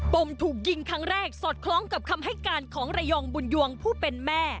มถูกยิงครั้งแรกสอดคล้องกับคำให้การของระยองบุญยวงผู้เป็นแม่